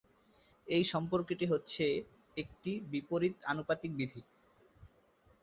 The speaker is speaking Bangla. এই সম্পর্কটি হচ্ছে একটি "বিপরীত-আনুপাতিক বিধি"।